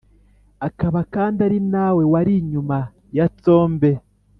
akaba kandi ari nawe wari inyuma ya tsombe.